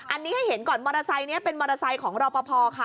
อันนี้ให้เห็นก่อนมอเตอร์ไซค์นี้เป็นมอเตอร์ไซค์ของรอปภค่ะ